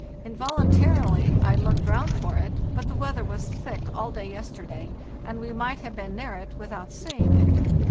Involuntarily I looked round for it, but the weather was thick all day yesterday, and we might have been near it without seeing it.